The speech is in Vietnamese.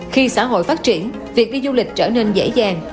khi xã hội phát triển việc đi du lịch trở nên dễ dàng